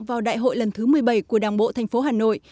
vào đại hội lần thứ một mươi bảy của đảng bộ thành phố hà nội